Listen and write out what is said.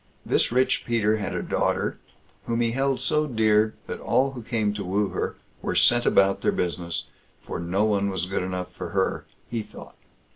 This Rich Peter had a daughter, whom he held so dear that all who came to woo her, were sent about their business, for no one was good enough for her, he thought.